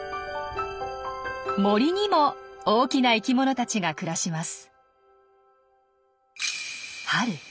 森にも大きな生きものたちが暮らします。